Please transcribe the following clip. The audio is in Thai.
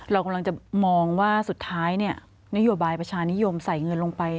เรากำลังจะมองว่าสุดท้ายนโยบายประชานิยมใส่เงินลงไป